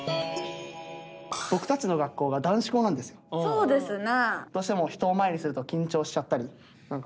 そうですな。